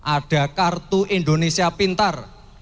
ada kartu indonesia pintar